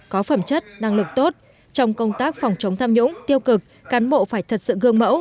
có phẩm chất năng lực tốt trong công tác phòng chống tham nhũng tiêu cực cán bộ phải thật sự gương mẫu